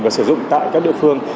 và sử dụng tại các địa phương